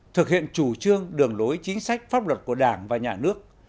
thực hiện chủ trương đường lối chính sách pháp luật của đảng và nhà nước